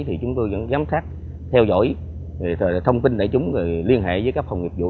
thì chúng tôi vẫn giám sát theo dõi thông tin để chúng liên hệ với các phòng nghiệp vụ